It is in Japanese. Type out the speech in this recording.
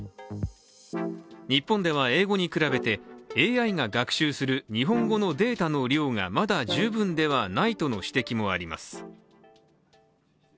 日本では英語に比べてＡＩが学習する日本語のデータの量がまだ十分ではないとの指摘もあります。